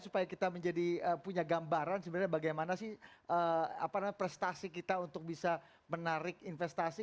supaya kita menjadi punya gambaran sebenarnya bagaimana sih prestasi kita untuk bisa menarik investasi